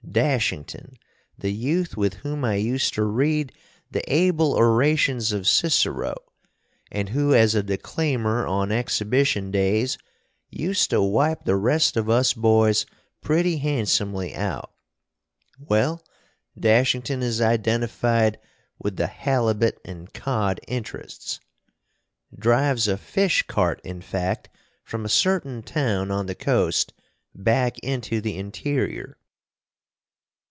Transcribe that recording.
Dashington, the youth with whom I used to read the able orations of Cicero, and who as a declaimer on exhibition days used to wipe the rest of us boys pretty handsomely out well, Dashington is identified with the halibut and cod interests drives a fish cart, in fact, from a certain town on the coast back into the interior.